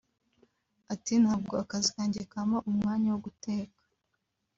Ati “Ntabwo akazi kanjye kampa umwanya wo guteka